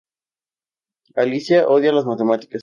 Alicia odia la matemática.